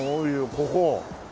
ここ。